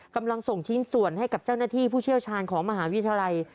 กำลังส่งชิ้นส่วนให้กับเจ้าหน้าที่ผู้เชี่ยวชาญของมหาวิทยาลัย